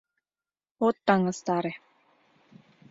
От таҥастаре...